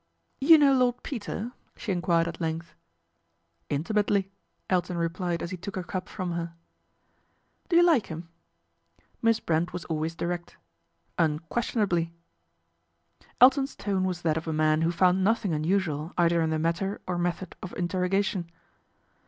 ' You know Lord Peter ?" she enquired at length. " Intimately/' Elton replied as he took her cup from her. " Do you like him ?" Miss Brent was always direct. " Unquestionably." Elton's tone was that of a man who found nothing unusual either in the matter or method of interrogation.